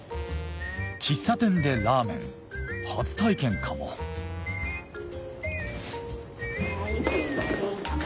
喫茶店でラーメン初体験かもすいません